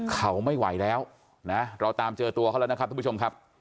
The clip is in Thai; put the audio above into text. เขาไม่ไหวแล้วนะเราตามเจอตัวเขาแล้วนะครับทุกผู้ชมครับ